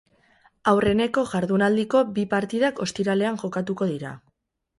Aurreneko jardunaldiko bi partidak ostiralean jokatuko dira.